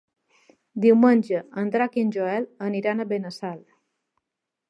Diumenge en Drac i en Joel aniran a Benassal.